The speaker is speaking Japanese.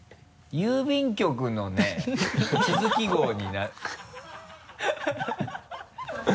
郵便局の地図記号に。